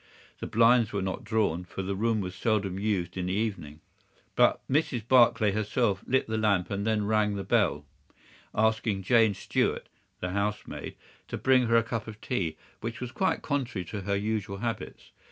The blinds were not down, for the room was seldom used in the evening, but Mrs. Barclay herself lit the lamp and then rang the bell, asking Jane Stewart, the housemaid, to bring her a cup of tea, which was quite contrary to her usual habits.